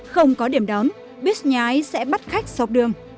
không có điểm đón buýt nhái sẽ bắt khách dọc đường